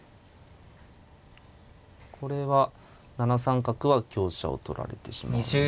これは７三角は香車を取られてしまうので。